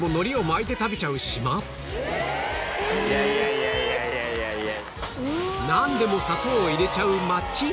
いやいやいやいや。